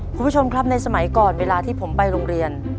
คุณผู้ชมครับในสมัยก่อนเวลาที่ผมไปโรงเรียน